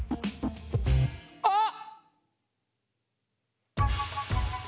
あっ！